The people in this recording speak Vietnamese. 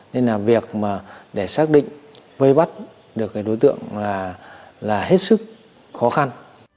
nên là việc mà để xác định vây bắt được cái đối tượng là hết sức khó khăn